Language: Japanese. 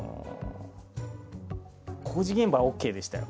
工事現場はＯＫでしたよ。